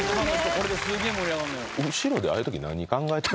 これですげえ盛り上がんのよ